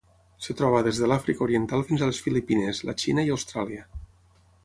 Es troba des de l'Àfrica Oriental fins a les Filipines, la Xina i Austràlia.